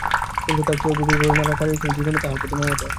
কিন্তু তার চেয়েও গভীরভাবে নাড়া খাইয়াছিল জীবনের প্রতি তাহার মমতা।